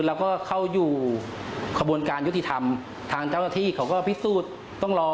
เราก็เข้าอยู่กระบวนการยุติธรรมทางเจ้าคราธิเขาก็พิสูจน์ต้องรอ